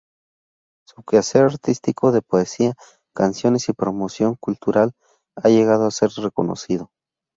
Su quehacer artístico de poesía, canciones y promoción cultural ha llegado a ser reconocido.